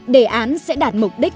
đề án sẽ đạt mục đích